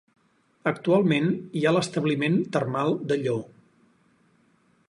Actualment hi ha l'establiment termal de Llo.